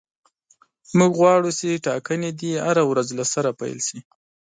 موږ غواړو چې ټاکنې دې هره ورځ له سره پیل شي.